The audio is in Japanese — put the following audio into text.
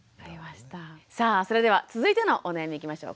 さあそれでは続いてのお悩みいきましょう。